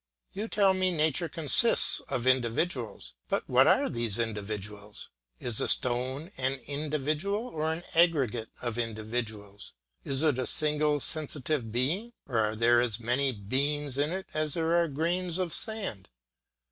You tell me nature consists of individuals. But what are these individuals? Is that stone an individual or an aggregate of individuals? Is it a single sensitive being, or are there as many beings in it as there are grains of sand?